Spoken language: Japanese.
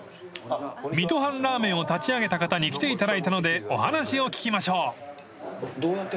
［水戸藩らーめんを立ち上げた方に来ていただいたのでお話を聞きましょう］